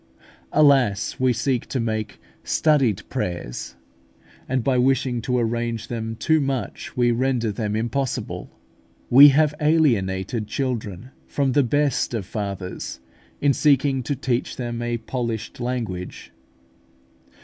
Alas! we seek to make studied prayers; and by wishing to arrange them too much, we render them impossible. We have alienated children from the best of Fathers, in seeking to teach them a polished language.